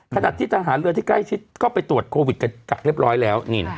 ขณะที่ทหารเรือที่ใกล้ชิดก็ไปตรวจโควิดกักเรียบร้อยแล้ว